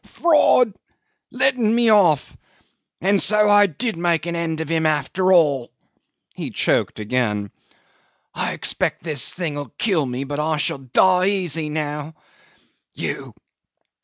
... "Fraud. ... Letting me off. ... And so I did make an end of him after all. ..." He choked again. ... "I expect this thing'll kill me, but I shall die easy now. You